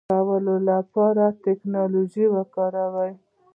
د ژوند ښه کولو لپاره ټکنالوژي وکاروئ.